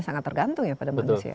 sangat tergantung ya pada manusia